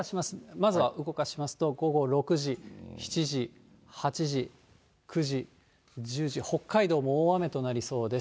まずは動かしますと、午後６時、７時、８時、９時、１０時、北海道も大雨となりそうです。